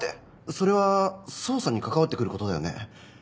それは捜査に関わってくる事だよね。